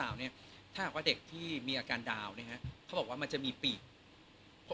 ถ้าหากว่าเด็กที่มีอาการดาวน์เขาบอกว่ามันจะมีปีก